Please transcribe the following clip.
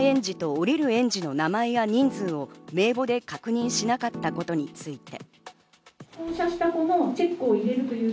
乗車した園児と降りる園児の名前や人数を名簿で確認しなかったことについて。